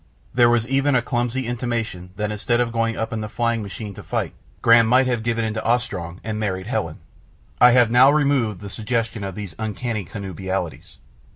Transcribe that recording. There was even a clumsy intimation that instead of going up in the flying machine to fight, Graham might have given in to Ostrog, and married Helen. I have now removed the suggestion of these uncanny connubialities.